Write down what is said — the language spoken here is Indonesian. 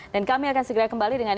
dan kami akan segera kembali dengan